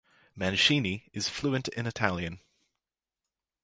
Mancini is fluent in Italian.